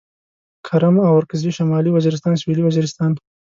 کرم اورکزي شمالي وزيرستان سوېلي وزيرستان